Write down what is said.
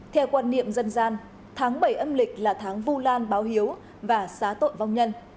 theo quan niệm dân gian tháng bảy âm lịch là tháng vu lan báo hiếu và xá tội vong nhân